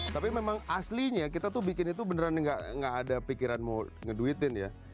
tapi memang aslinya kita tuh bikin itu beneran gak ada pikiran mau ngeduitin ya